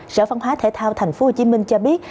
sở văn hóa thể thao tp hcm cho biết